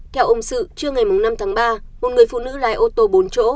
theo ông sự trưa ngày năm tháng ba một người phụ nữ lái ô tô bốn chỗ